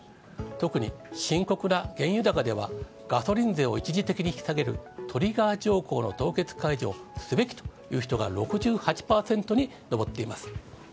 特に深刻な原油高では、ガソリン税を一時的に引き下げるトリガー条項の凍結解除をすべきという人が６８％に上っています。